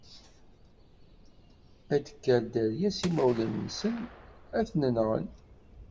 Ad d-tekker dderya s imawlan-nsen, ad ten-nɣen.